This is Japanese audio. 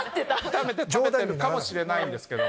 炒めて食べてるかもしれないんですけど。